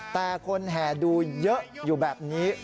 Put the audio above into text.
แต่คนแห่ดูเยอะอยู่แบบนี้